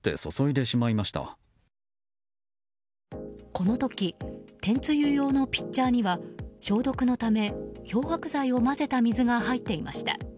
この時天つゆ用のピッチャーには消毒のため、漂白剤を混ぜた水が入っていました。